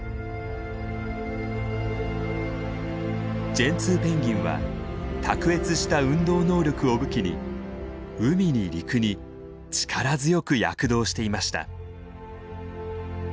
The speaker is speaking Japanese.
ジェンツーペンギンは卓越した運動能力を武器に海に陸に力強く躍動していました。